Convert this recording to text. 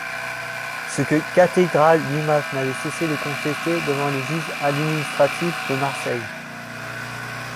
Ce que Cathédrale d'Images n'avait cessé de contester devant les juges administratifs de Marseille.